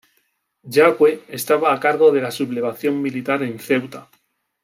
Yagüe estaba a cargo de la sublevación militar en Ceuta.